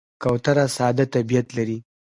کوتره ساده طبیعت لري.